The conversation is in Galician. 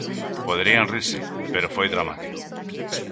Poderían rirse pero foi dramático.